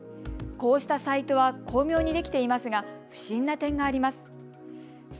こうしたサイトは巧妙にできていますが不審な点があります。